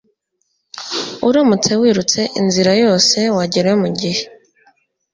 Uramutse wirutse inzira yose wagerayo mugihe